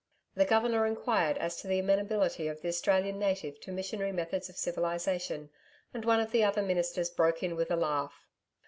The Governor enquired as to the amenability of the Australian native to missionary methods of civilisation, and one of the other Ministers broke in with a laugh.